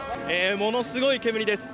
ものすごい煙です。